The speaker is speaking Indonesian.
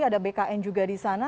ada bkn juga disana